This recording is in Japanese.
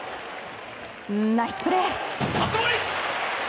ナイスプレー！